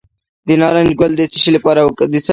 د نارنج ګل د څه لپاره وکاروم؟